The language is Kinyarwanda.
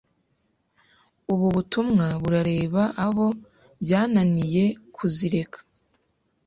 ubu butumwa burareba abo byananiye kuzireka